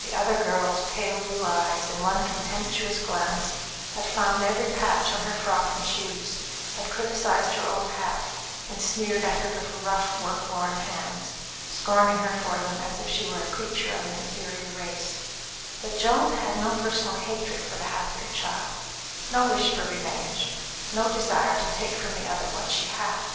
The other girl's pale blue eyes, in one contemptuous glance, had found every patch on her frock and shoes, had criticised her old hat, and sneered at her little, rough, work worn hands, scorning her for them as if she were a creature of an inferior race; but Joan had no personal hatred for the happier child, no wish for revenge, no desire to take from the other what she had.